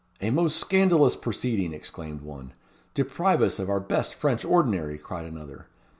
"A most scandalous proceeding!" exclaimed one. "Deprive us of our best French ordinary!" cried another.